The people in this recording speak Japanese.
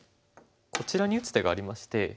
こちらに打つ手がありまして。